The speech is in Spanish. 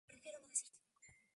El primero fue Tolón.